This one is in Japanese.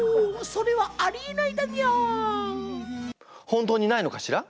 それはありえないだにゃー。